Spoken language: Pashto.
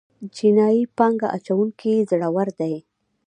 چینايي پانګه اچوونکي زړور دي.